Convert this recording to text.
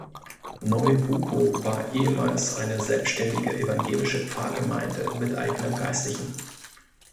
Neu Buckow war ehemals eine selbständige evangelische Pfarrgemeinde mit eigenem Geistlichen.